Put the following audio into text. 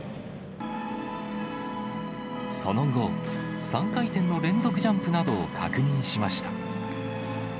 その後、３回転の連続ジャンプなどを確認しました。